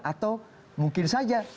atau mungkin saja